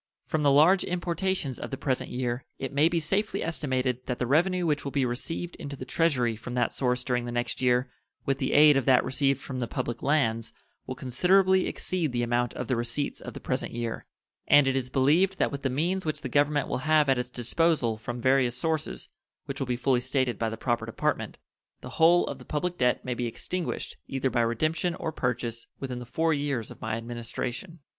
From the large importations of the present year it may be safely estimated that the revenue which will be received into the Treasury from that source during the next year, with the aid of that received from the public lands, will considerably exceed the amount of the receipts of the present year; and it is believed that with the means which the Government will have at its disposal from various sources, which will be fully stated by the proper Department, the whole of the public debt may be extinguished, either by redemption or purchase, within the four years of my Administration.